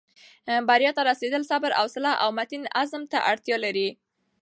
بریا ته رسېدل صبر، حوصلې او متین عزم ته اړتیا لري.